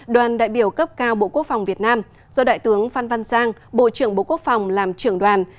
đoàn đại biểu cấp cao bộ quốc phòng việt nam do đại tướng phan văn giang bộ trưởng bộ quốc phòng làm trưởng đoàn